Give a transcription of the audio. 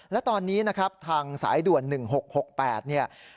และตอนนี้นะครับทางสายด่วน๑๖๖๘เนี่ย